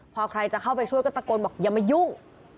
พอใครจะเข้าไปช่วยก็ตะโกนบอกอย่ามายุ่ง